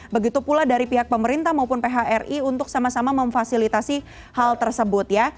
begitu pula dari pihak pemerintah maupun phri untuk sama sama memfasilitasi hal tersebut ya